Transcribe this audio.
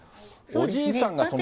おじいさんが。